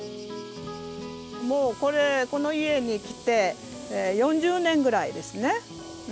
もうこれこの家に来て４０年ぐらいですね。